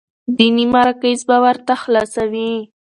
ديني مراکز به ورته خلاصوي،